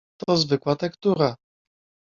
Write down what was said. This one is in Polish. "To zwykła tektura."